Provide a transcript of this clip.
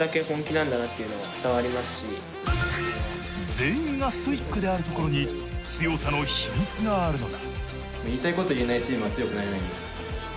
全員がストイックであるところに強さの秘密があるのだ。